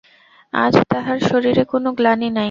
আজ তাঁহার শরীরে কোনো গ্লানি নাই।